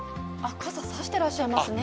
傘、差してらっしゃいますね。